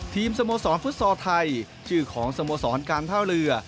สโมสรฟุตซอลไทยชื่อของสโมสรการท่าเรือ